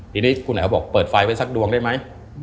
ทีนี้คุณแอ๋วบอกเปิดไฟไว้สักดวงได้ไหม